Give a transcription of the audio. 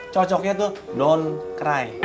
cocoknya tuh donkrai